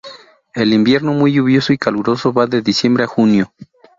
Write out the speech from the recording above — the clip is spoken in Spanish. El invierno muy lluvioso y caluroso va de diciembre a junio.